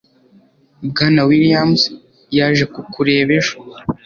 bwana williams yaje kukureba ejo